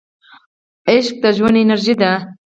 عشق د ژوند انرژي ده.